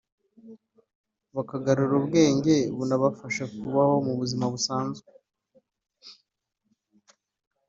bakagarura ubwenge bunabafasha kubaho mu buzima busanzwe